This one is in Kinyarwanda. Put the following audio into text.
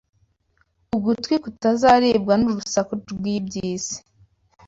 Ugutwi kutarazibwa n’urusaku rw’iby’isi